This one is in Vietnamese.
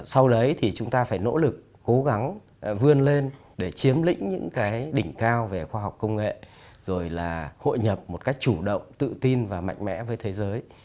sau đấy thì chúng ta phải nỗ lực cố gắng vươn lên để chiếm lĩnh những cái đỉnh cao về khoa học công nghệ rồi là hội nhập một cách chủ động tự tin và mạnh mẽ với thế giới